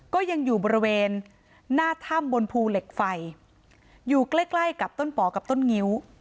ก็ยังอยู่บริเวณหน้าถ้ำบนภูเหล็กไฟอยู่ใกล้ใกล้กับต้นป๋อกับต้นงิ้ว